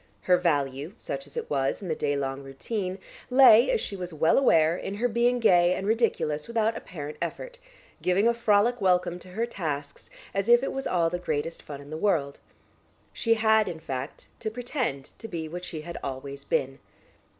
Her value, such as it was, in the day long routine, lay, as she was well aware, in her being gay and ridiculous without apparent effort, giving a "frolic welcome" to her tasks, as if it was all the greatest fun in the world. She had, in fact, to pretend to be what she had always been.